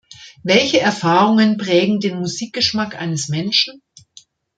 Welche Erfahrungen prägen den Musikgeschmack eines Menschen?